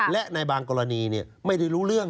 และในบางกรณีไม่ได้รู้เรื่อง